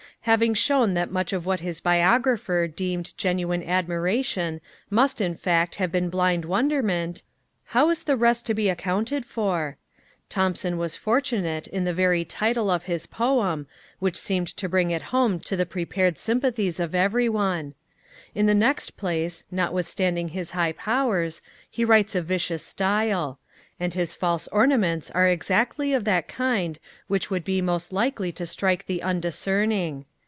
Having shown that much of what his biographer deemed genuine admiration must in fact have been blind wonderment how is the rest to be accounted for? Thomson was fortunate in the very title of his poem, which seemed to bring it home to the prepared sympathies of every one: in the next place, notwithstanding his high powers, he writes a vicious style; and his false ornaments are exactly of that kind which would be most likely to strike the undiscerning.